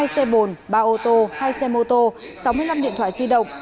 hai mươi hai xe bồn ba ô tô hai xe mô tô sáu mươi năm điện thoại di động